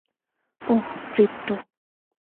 ওহ, crypto!